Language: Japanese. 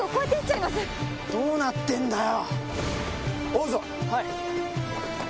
どうなってんだよ